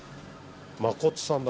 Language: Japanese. まこつさんだね。